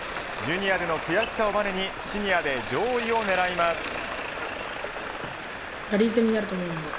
ジュニアでの悔しさをバネにシニアで上位を狙います。